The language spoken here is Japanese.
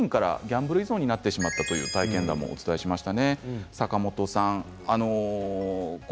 番組ではゲーム課金とギャンブル依存になってしまったという体験談もお伝えしました。